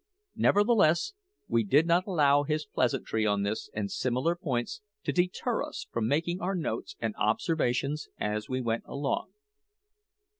Nevertheless, we did not allow his pleasantry on this and similar points to deter us from making our notes and observations as we went along.